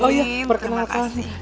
oh iya perkenalkan